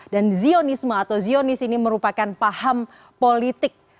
dan zionisme atau zionis ini merupakan paham politik